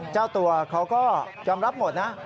เจ้าตัวเขาก็ยอมรับหมดนะ